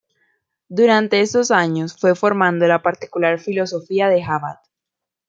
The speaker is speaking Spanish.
Durante estos años fue formando la particular filosofía de Jabad.